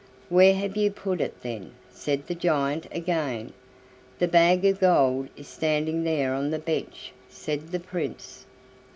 "Where have you put it then?" said the giant again. "The bag of gold is standing there on the bench," said the Prince.